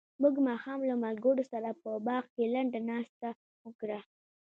موږ ماښام له ملګرو سره په باغ کې لنډه ناسته وکړه.